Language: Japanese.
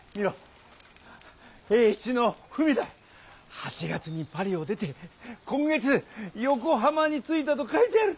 ８月にパリを出て今月横浜に着いたと書いてある！